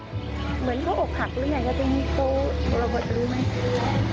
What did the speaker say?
เหมือนเขาอกหักหรือไงเขาโบราณรู้ไหม